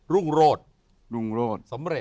รุ่นโลศ